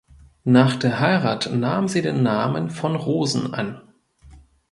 Nach der Heirat nahm sie den Namen "von Rosen" an.